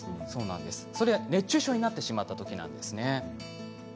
それは熱中症になってしまったときです。